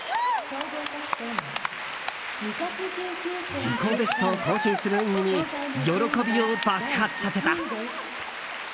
自己ベストを更新する演技に喜びを爆発させた。